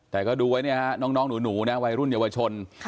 แต่ก็ดูไว้เนี่ยฮะน้องหนูนะวัยรุ่นเยาวชน